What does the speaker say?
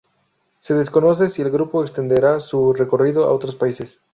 Se desconoce si el grupo extenderá su recorrido a otros países.